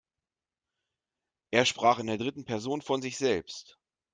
Er sprach in der dritten Person von sich selbst.